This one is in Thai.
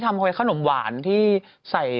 กันชาอยู่ในนี้